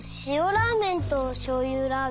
ラーメンとしょうゆラーメン